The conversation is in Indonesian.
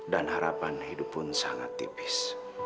dan harapan hidup pun sangat tipis